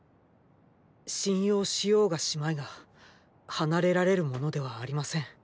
信用しようがしまいが離れられるものではありません。